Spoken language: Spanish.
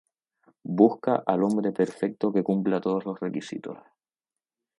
Busca al hombre perfecto que cumpla todos los requisitos.